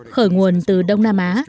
khởi nguồn từ đông nam á